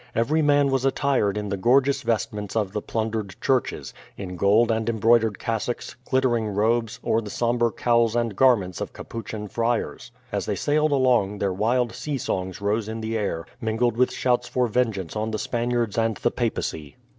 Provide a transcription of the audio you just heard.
Every man was attired in the gorgeous vestments of the plundered churches in gold and embroidered cassocks, glittering robes, or the sombre cowls and garments of Capuchin friars. As they sailed along their wild sea songs rose in the air, mingled with shouts for vengeance on the Spaniards and the Papacy.